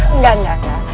enggak enggak enggak